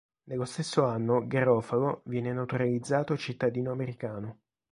Nello stesso anno Garofalo, viene naturalizzato cittadino americano.